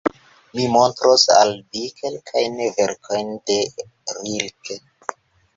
Mi montros al vi kelkajn verkojn de Rilke.